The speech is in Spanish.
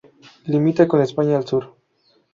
Limita con España al sur.